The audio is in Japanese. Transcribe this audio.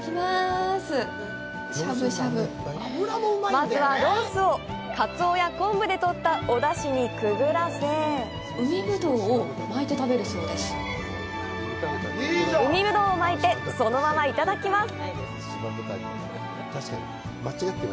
まずはロースを、カツオや昆布でとったお出汁にくぐらせ海ぶどうを巻いてそのままいただきます！